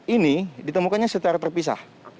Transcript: ini ditemukannya secara terpisah